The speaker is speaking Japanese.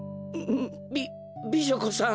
び美女子さん。